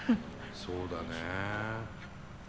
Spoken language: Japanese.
そうだね。